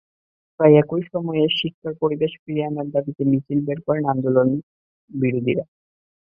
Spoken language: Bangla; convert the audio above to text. প্রায় একই সময়ে শিক্ষার পরিবেশ ফিরিয়ে আনার দাবিতে মিছিল বের করেন আন্দোলনবিরোধীরা।